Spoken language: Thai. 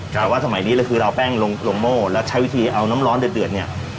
แต่ว่าสมัยนี้เลยคือเราเอาแป้งลงโม่แล้วใช้วิธีเอาน้ำร้อนเดือดเนี่ย